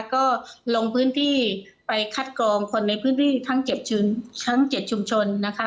ก็ลงพื้นที่ไปคัดกรองคนในพื้นที่ทั้ง๗ชุมชนนะคะ